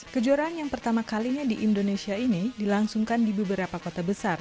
kejuaraan yang pertama kalinya di indonesia ini dilangsungkan di beberapa kota besar